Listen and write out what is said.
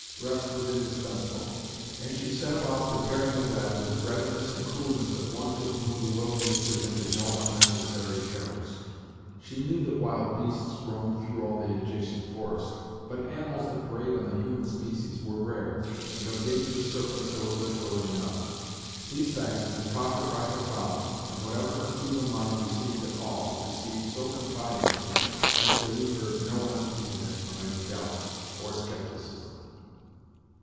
Rest was indispensable, and she set about preparing a bed, with the readiness and coolness of one to whom the wilderness presented no unnecessary terrors. She knew that wild beasts roamed through all the adjacent forest, but animals that preyed on the human species were rare, and of dangerous serpents there were literally none. These facts had been taught her by her father, and whatever her feeble mind received at all, it received so confidingly as to leave her no uneasiness from any doubts, or scepticism.